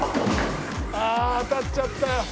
ああ当たっちゃったよ。